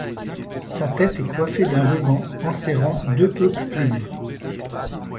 Sa tête est coiffée d'un ruban enserrant deux hautes plumes.